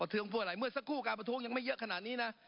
เทืองเพื่ออะไรเมื่อสักครู่การประท้วงยังไม่เยอะขนาดนี้นะ